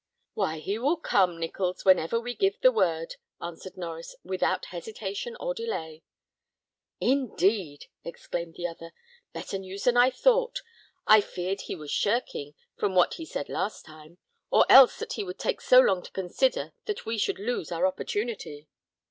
"Why he will come, Nichols, whenever we give the word," answered Norries, "without hesitation or delay." "Indeed!" exclaimed the other; "better news than I thought. I feared he was shirking, from what he said last time, or else that he would take so long to consider that we should lose our opportunity."